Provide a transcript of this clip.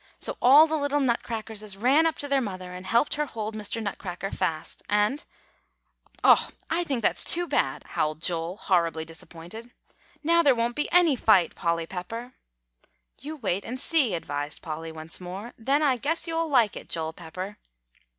So all the little Nutcrackerses ran up to their mother, and helped her hold Mr. Nutcracker fast and" "Oh, I think that's too bad!" howled Joel, horribly disappointed; "now there won't be any fight, Polly Pepper!" "You wait and see," advised Polly once more; "then I guess you'll like it, Joel Pepper."